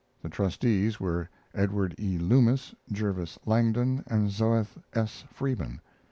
The trustees were Edward E. Loomis, Jervis Langdon, and Zoheth S. Freeman.